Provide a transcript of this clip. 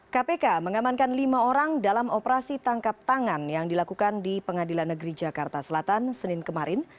kpk mengamankan lima orang dalam operasi tangkap tangan yang dilakukan di pengadilan negeri jakarta selatan senin kemarin